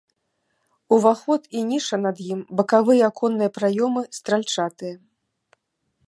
Уваход і ніша над ім, бакавыя аконныя праёмы стральчатыя.